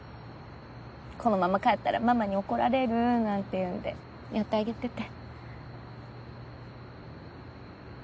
このまま帰ったらママに怒られるなんて言うんでやってあげてて。